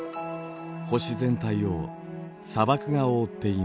星全体を砂漠が覆っています。